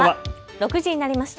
６時になりました。